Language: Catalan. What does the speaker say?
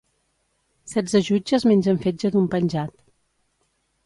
setze jutges mengen fetge d'un penjat